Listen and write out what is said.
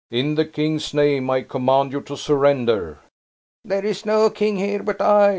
In the king's name, I command you to surrender." "There is no king here but I!"